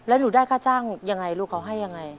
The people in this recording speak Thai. แล้วลูกได้ค่าจ้างอย่างไรลูกเขาให้อย่างไร